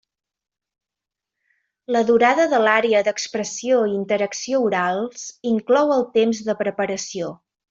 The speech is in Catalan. La durada de l'Àrea d'Expressió i Interacció Orals inclou el temps de preparació.